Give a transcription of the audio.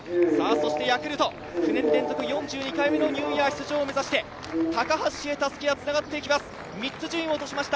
ヤクルト、９年連続４２回目のニューイヤー出場を目指して高橋へたすきがつながっていきます、３つ順位を落としました。